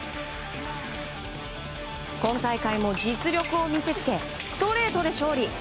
今大会も実力を見せつけストレートで勝利。